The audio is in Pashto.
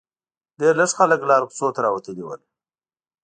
ډېر لږ خلک لارو کوڅو ته راوتلي ول.